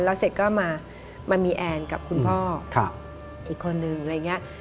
แล้วเสร็จก็มามีแอนกับคุณพ่ออีกคนนึงอะไรอย่างนี้